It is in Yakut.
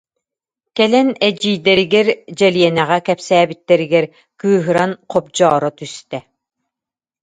Кэлэн эдьиийдэригэр Дьэлиэнэҕэ кэпсээбиттэригэр кыыһыран хобдьооро түстэ: